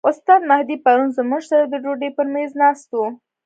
استاد مهدي پرون موږ سره د ډوډۍ پر میز ناست و.